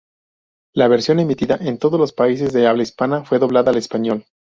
La versión emitida en todos los países de habla hispana fue doblada al español.